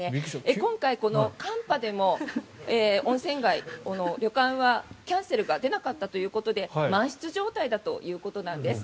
今回、この寒波でも温泉街、旅館はキャンセルが出なかったということで満室状態だということです。